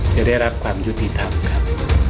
จะได้รับความยุติธรรมครับ